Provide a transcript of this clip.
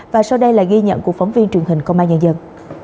và sau đây là ghi nhận của phóng viên truyền hình công an nhân dân